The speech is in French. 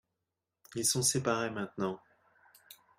ils sont séparés maintenant.